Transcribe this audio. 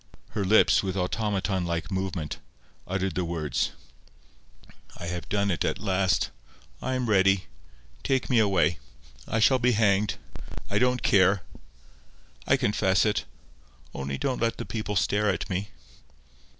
Her lips, with automaton like movement, uttered the words— "I have done it at last. I am ready. Take me away. I shall be hanged. I don't care. I confess it. Only don't let the people stare at me."